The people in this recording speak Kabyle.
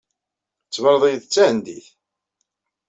Tettbaneḍ-iyi-d d Tahendit.